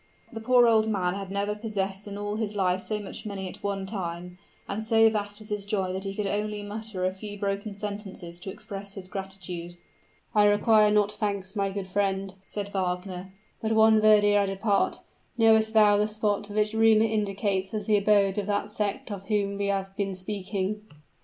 The poor old man had never possessed in all his life so much money at one time; and so vast was his joy that he could only mutter a few broken sentences to express his gratitude. "I require not thanks, my good friend," said Wagner. "But one word ere I depart. Knowest thou the spot which rumor indicates as the abode of that sect of whom we have been speaking?"